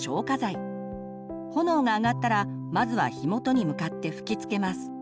炎があがったらまずは火元に向かって吹きつけます。